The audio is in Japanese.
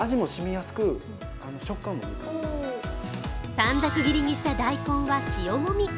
短冊切りにした大根は塩もみ。